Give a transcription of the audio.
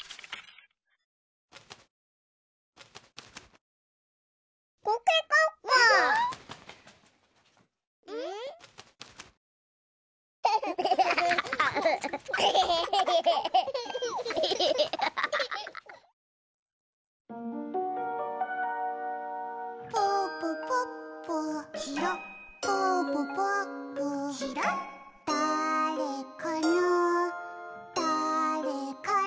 「だぁれかなだぁれかな」